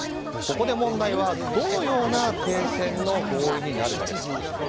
ここで問題は、どのような停戦の合意になるかです。